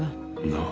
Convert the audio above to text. ああ。